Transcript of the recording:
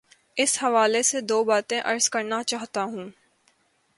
اس حوالے سے دو باتیں عرض کرنا چاہتا ہوں۔